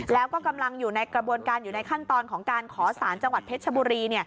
แล้วก็กำลังอยู่ในกระบวนการอยู่ในขั้นตอนของการขอสารจังหวัดเพชรชบุรี